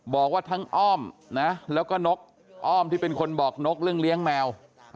บอกว่าทั้งอ้อมนะแล้วก็นกอ้อมที่เป็นคนบอกนกเรื่องเลี้ยงแมว